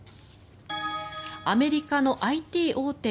アメリカのＩＴ大手